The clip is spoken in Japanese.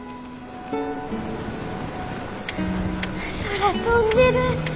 空飛んでる。